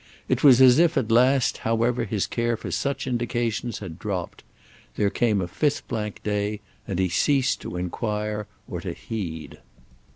It was as if at last however his care for such indications had dropped; there came a fifth blank day and he ceased to enquire or to heed.